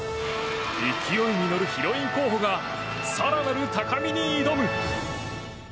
勢いに乗るヒロイン候補が更なる高みに挑む。